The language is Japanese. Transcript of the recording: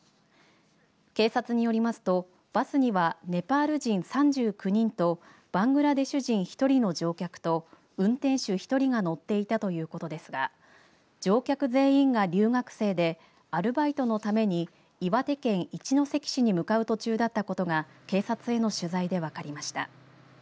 警察によりますとバスにはネパール人３９人とバングラデシュ人１人の乗客と運転手１人が乗っていたということですが乗客全員が留学生でアルバイトのために岩手県一関市に向かう途中だったことが警察への取材で分かりました。